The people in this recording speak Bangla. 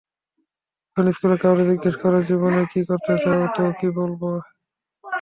এখন স্কুলের কাউরে জিজ্ঞেস করো জীবনে কী করতে চাও, তো কী বলবে?